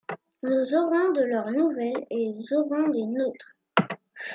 Nous aurons de leurs nouvelles et ils auront des nôtres!